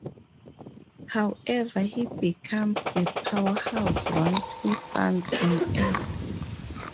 However, he becomes a powerhouse once he finds an egg.